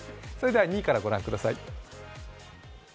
２位からご覧ください。